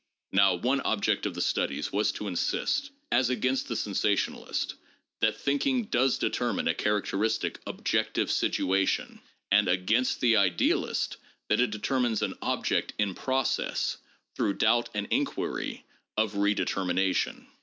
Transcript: Now one object of the Studies was to insist, as against the sensationalist, that thinking does determine a characteristic objective situation, and, against the idealist, that it determines an object in process, through doubt and inquiry, of redetermination.